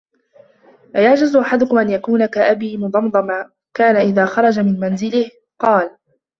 أَيَعْجِزُ أَحَدُكُمْ أَنْ يَكُونَ كَأَبِي ضَمْضَمٍ كَانَ إذَا خَرَجَ مِنْ مَنْزِلِهِ قَالَ